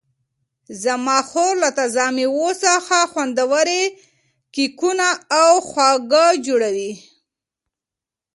زما خور له تازه مېوو څخه خوندورې کیکونه او خواږه جوړوي.